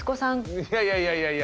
いやいやいやいやいや。